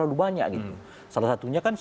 terlalu banyak gitu salah satunya kan